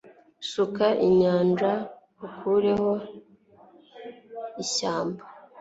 Suka inyanja ukureho ishyamba